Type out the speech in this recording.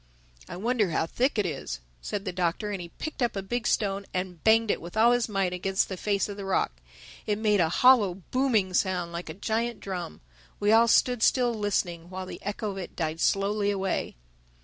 "I wonder how thick it is," said the Doctor; and he picked up a big stone and banged it with all his might against the face of the rock. It made a hollow booming sound, like a giant drum. We all stood still listening while the echo of it died slowly away.